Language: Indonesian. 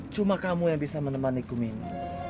cuma kamu yang bisa menemani kum ini